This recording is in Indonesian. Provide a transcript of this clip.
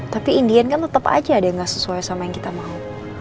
tapi indian kan tetep aja deh gak sesuai sama yang kita mau